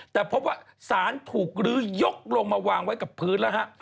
แต่พบว่าสารถูกลื้อยกลงมาวางไว้กับพื้นแล้วฮะ